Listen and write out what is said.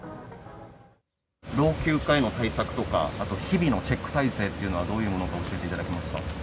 老朽化への対策とか、あと日々のチェック体制というのは、どういうものか教えていただけますか？